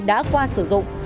đã qua sử dụng